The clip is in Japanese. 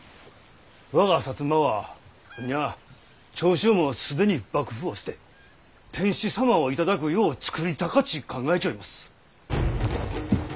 我が摩はうんにゃ長州も既に幕府を捨て天子様を戴く世を作りたかち考えちょいもす。